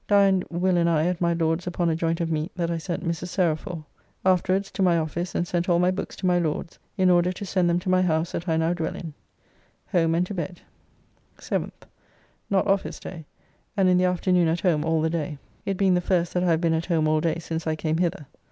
Dined Will and I at my Lord's upon a joint of meat that I sent Mrs. Sarah for. Afterwards to my office and sent all my books to my Lord's, in order to send them to my house that I now dwell in. Home and to bed. 7th. Not office day, and in the afternoon at home all the day, it being the first that I have been at home all day since I came hither.